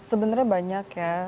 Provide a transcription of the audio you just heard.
sebenarnya banyak ya